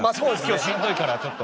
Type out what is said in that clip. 「今日しんどいからちょっと」。